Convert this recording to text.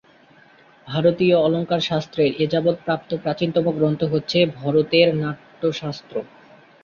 ভারতীয় অলঙ্কারশাস্ত্রের এ যাবৎ প্রাপ্ত প্রাচীনতম গ্রন্থ হচ্ছে ভরতের নাট্যশাস্ত্র।